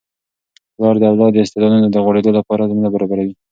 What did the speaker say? پلار د اولاد د استعدادونو د غوړیدو لپاره زمینه برابروي.